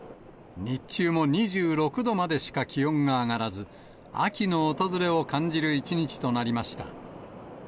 日中も２６度までしか気温が上がらず、秋の訪れを感じる一日となりました。